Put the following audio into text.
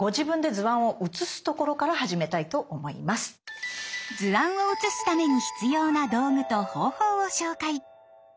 図案を写すために必要な道具と方法を紹介。